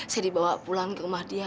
saya dibawa pulang ke rumah dia